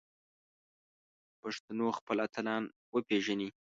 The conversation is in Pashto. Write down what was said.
پښتنو خپل اتلان وپیژني